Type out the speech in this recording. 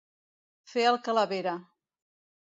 Fer el calavera.